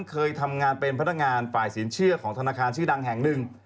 เคยทำงานเป็นพนักงานฝ่ายสินเชื่อของธนาคารชื่อดังแห่งหนึ่ง